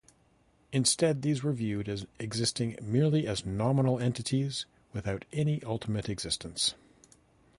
Instead these were viewed as existing merely as nominal entities without any ultimate existence.